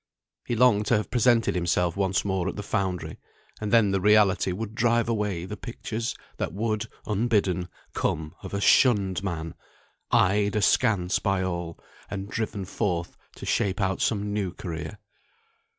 He longed to have presented himself once more at the foundry; and then the reality would drive away the pictures that would (unbidden) come of a shunned man, eyed askance by all, and driven forth to shape out some new career.